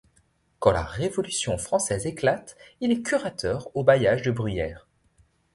Quand la Révolution française éclate, il est curateur au bailliage de Bruyères.